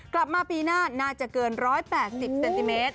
กลับมาปีหน้าน่าจะเกิน๑๘๐เซนติเมตร